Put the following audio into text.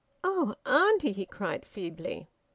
"Oh, auntie!" he cried feebly.